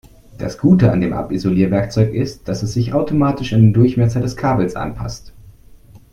Das Gute an dem Abisolierwerkzeug ist, dass es sich automatisch an den Durchmesser des Kabels anpasst.